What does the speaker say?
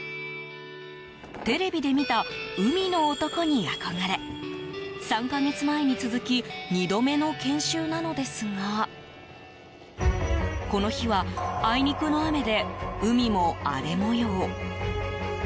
テレビで見た海の男に憧れ３か月前に続き２度目の研修なのですがこの日はあいにくの雨で海も荒れ模様。